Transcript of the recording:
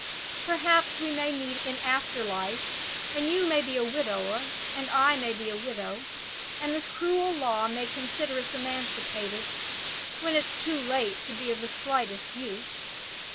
Perhaps we may meet in after life, and you may be a widower and I may be a widow, and the cruel law may consider us emancipated, when it's too late to be of the slightest use.